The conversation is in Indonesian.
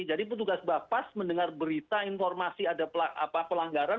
jadi petugas bapak pas mendengar berita informasi ada pelanggaran